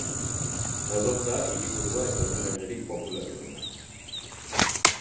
Olot da hiriburua eta udalerririk populatuena.